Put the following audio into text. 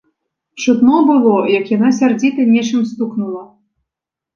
Чутно было, як яна сярдзіта нечым стукнула.